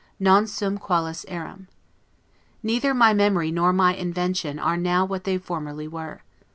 'Non sum qualis eram': neither my memory nor my invention are now what they formerly were.